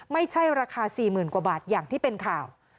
ไม่ใช่ราคา๔๐๐๐กว่าบาทอย่างที่เป็นข่าว